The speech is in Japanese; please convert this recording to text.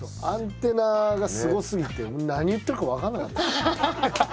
アンテナがすごすぎて何言ってるか分からなかったです。